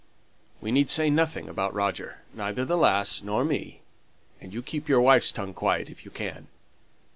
We need say nothing about Roger, neither the lass nor me, and you keep your wife's tongue quiet, if you can.